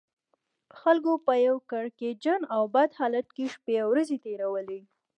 خلکو په یو کړکېچن او بد حالت کې شپې او ورځې تېرولې.